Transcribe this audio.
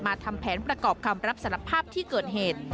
มาเทอมแผนประกอบคำรับสนภาพเกิดเหตุ